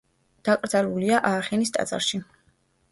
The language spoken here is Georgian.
დაკრძალულია აახენის ტაძარში.